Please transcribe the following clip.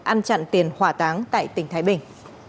ăn chặn tiền hỏa táng tại tỉnh thái bình